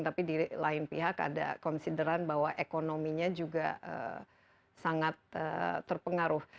tapi di lain pihak ada konsideran bahwa ekonominya juga sangat terpengaruh